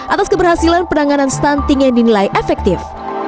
atas keberhasilan penanganan stunting yang dinilai efektif